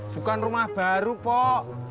bukan rumah baru pok